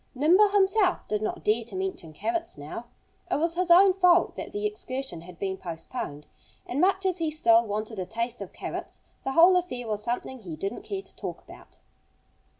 Nimble himself did not dare to mention carrots now. It was his own fault that the excursion had been postponed. And much as he still wanted a taste of carrots the whole affair was something he didn't care to talk about.